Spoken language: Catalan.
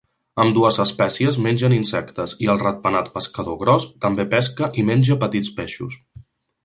Ambdues espècies mengen insectes, i el ratpenat pescador gros també pesca i menja petits peixos.